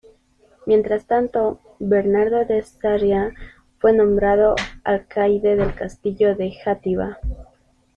Mientras tanto, Bernardo de Sarriá fue nombrado alcaide del castillo de Játiva.